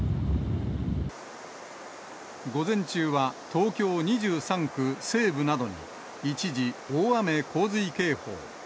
午前中は東京２３区、西部などに、一時、大雨洪水警報。